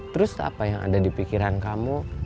terus apa yang ada di pikiran kamu